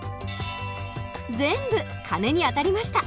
全部鐘に当たりました。